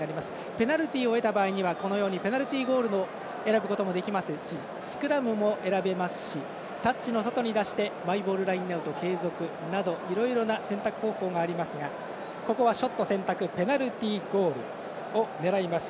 ペナルティを得た場合にはペナルティゴールを選ぶこともできますしスクラムも選べますしタッチの外に出してマイボールラインアウトを継続などいろいろな選択方法がありますがここはショット選択ペナルティゴールを狙います。